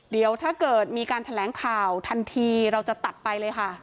เดี๋ยวถ้าเกิดมีการแถลงข่าวทันทีเราจะตัดไปเลยค่ะ